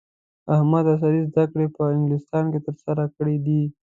احمد عصري زده کړې په انګلستان کې ترسره کړې دي.